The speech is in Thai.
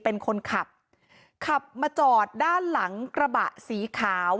เป็นคนขับขับมาจอดด้านหลังกระบะสีขาว